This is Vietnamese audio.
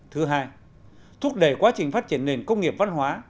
thứ hai thúc đẩy quá trình phát triển nền công nghiệp văn hóa